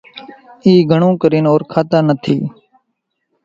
اِي گھڻون ڪرينَ اورکاتان نٿِي۔